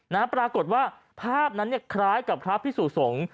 ปรากฏว่าภาพนั้นเนี่ยคล้ายกับพระพิสุสงฆ์